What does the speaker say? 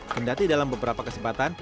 kendati dalam beberapa kesempatan